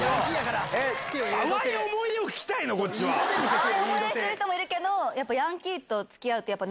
淡い思い出してる人もいるけど。